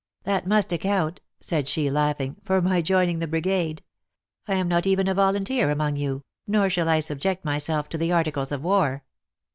That must ac count," said she, laughing, " for my joining the brig ade. I am not even a volunteer among you ; nor shall I subject myself to the articles of war."